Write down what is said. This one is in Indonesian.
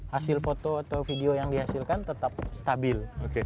hasil foto atau video yang dihasilkan tetap stabil